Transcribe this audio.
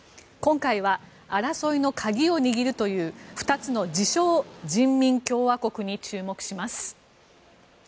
今回は争いの鍵を握るという２つの自称・人民共和国に注目します。